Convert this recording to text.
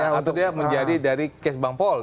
nah atau dia menjadi dari kes bang pol